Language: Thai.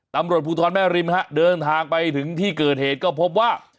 ตำรวจภูทรแม่ริมฮะเดินทางไปถึงที่เกิดเหตุก็พบว่า